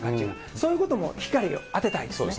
そういうことも光を当てたいです